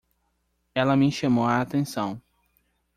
Ela me chamou a atenção!